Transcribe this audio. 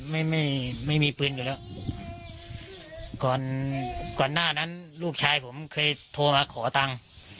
ไม่ไม่ไม่มีปืนอยู่แล้วก่อนก่อนหน้านั้นลูกชายผมเคยโทรมาขอตังค์